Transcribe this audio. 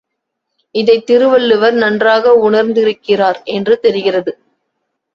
இதைத் திருவள்ளுவர் நன்றாக உணர்ந்திருக்கிறார் என்று தெரிகிறது.